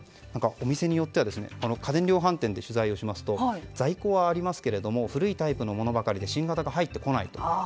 お店によっては家電量販店で取材をしますと在庫はありますけども古いタイプのものばかりで新型が入ってこないと。